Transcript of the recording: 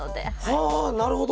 はあなるほど。